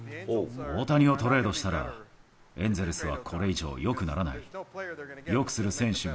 大谷をトレードしたら、エンゼルスはこれ以上、よくならない。